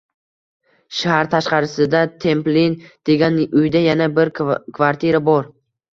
Shahar tashqarisida Templin degan uyda yana bir kvartira bor